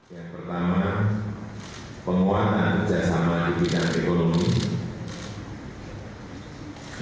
yang pertama penguatan kerjasama di bidang ekonomi